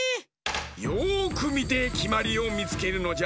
よくみてきまりをみつけるのじゃ。